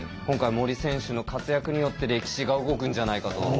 今回森選手の活躍によって歴史が動くんじゃないかと。